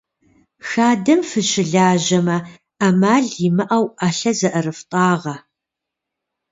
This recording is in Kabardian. Хадэм фыщылажьэмэ, ӏэмал имыӏэу ӏэлъэ зыӏэрыфтӏагъэ.